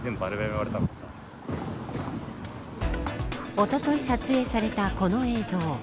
おととい撮影されたこの映像。